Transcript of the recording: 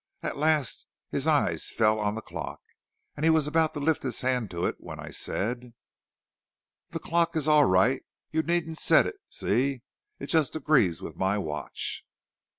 At last his eyes fell on the clock, and he was about to lift his hand to it when I said: "'The clock is all right; you needn't set it; see, it just agrees with my watch!'